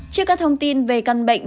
trước các thông tin về căn bệnh